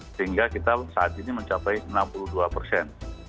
sehingga kita saat ini mencapai enam puluh dua persen